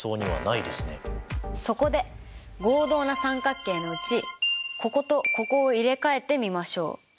そこで合同な三角形のうちこことここを入れ替えてみましょう。